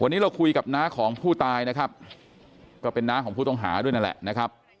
วันนี้เราคุยกับน้าของผู้ตายนะครับก็เป็นน้าของผู้ต้องหาด้วยนั่นแหละนะครับ